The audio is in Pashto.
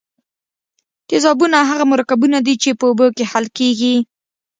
تیزابونه هغه مرکبونه دي چې په اوبو کې حل کیږي.